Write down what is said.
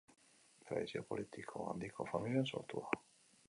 Tradizio politiko handiko familian sortua.